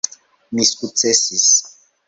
Mi sukcesis.